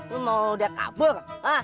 lu mau udah kabur